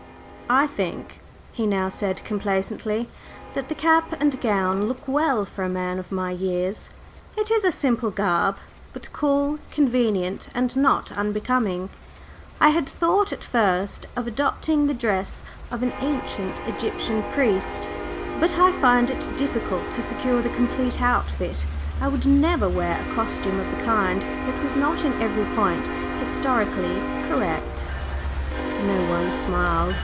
"I think," he now said, complacently, "that the cap and gown look well for a man of my years. It is a simple garb, but cool, convenient and not unbecoming. I had thought at first of adopting the dress of an ancient Egyptian priest, but I find it difficult to secure the complete outfit. I would never wear a costume of the kind that was not in every point historically correct." No one smiled.